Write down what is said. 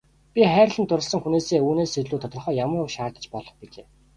Би хайрлан дурласан хүнээсээ үүнээс илүү тодорхой ямар үг шаардаж болох билээ.